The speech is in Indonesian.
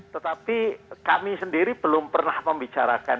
tetapi kami sendiri belum pernah membicarakan